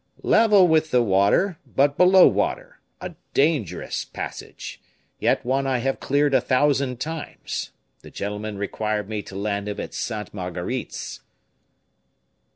"Level with the water, but below water; a dangerous passage, yet one I have cleared a thousand times; the gentleman required me to land him at Sainte Marguerite's."